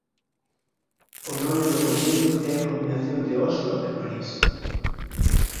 O nome do convenio é a combinación de Oslo e París.